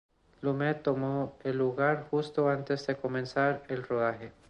Lumet tomó el lugar justo antes de comenzar el rodaje.